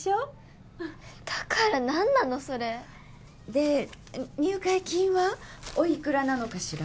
で入会金はお幾らなのかしら？